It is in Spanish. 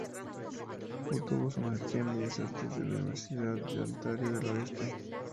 Obtuvo su maestría en Bellas Artes de la Universidad de Ontario del Oeste.